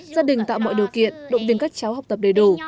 gia đình tạo mọi điều kiện động viên các cháu học tập đầy đủ